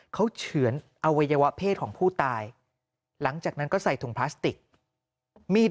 เขาเฉือนอวัยวะเพศของผู้ตายหลังจากนั้นก็ใส่ถุงพลาสติกมีด